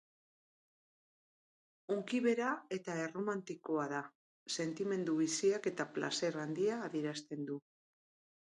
Hunkibera eta erromantikoa da, sentimendu biziak eta plazer handia adierazten du.